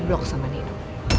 dia di blok sama nino